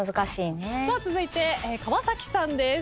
続いて川さんです。